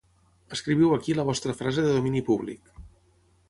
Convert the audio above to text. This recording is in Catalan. Escriviu aquí la vostra frase de domini públic